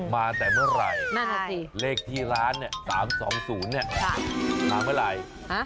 มาแต่เมื่อไหร่เลขที่ร้านเนี่ย๓๒๐เนี่ยมาเมื่อไหร่